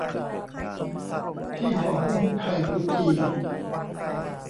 ที่ห่อหุ้มไข่กุดจี่